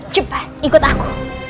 cepat ikut aku